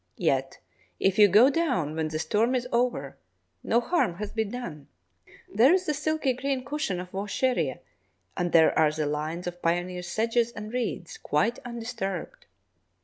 Yet if you go down when the storm is over, no harm has been done: there is the silky green cushion of vaucheria, and there are the lines of pioneer sedges and reeds quite undisturbed!